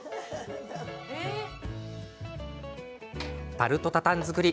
タルト・タタン作り